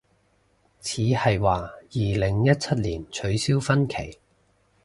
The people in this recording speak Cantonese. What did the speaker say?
似係，話二零一七年取消婚期